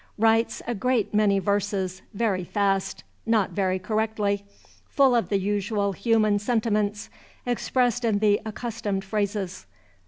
Writes a great many verses, very fast, not very correctly; full of the usual human sentiments, expressed in the accustomed phrases.